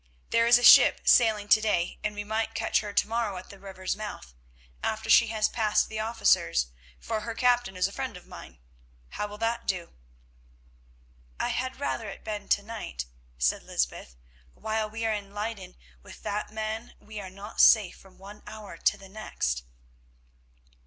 There is a ship sailing to day, and we might catch her to morrow at the river's mouth, after she has passed the officers, for her captain is a friend of mine. How will that do?" "I had rather it had been to night," said Lysbeth. "While we are in Leyden with that man we are not safe from one hour to the next."